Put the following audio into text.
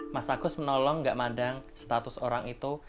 mas agus menolong tanpa memandang status orang itu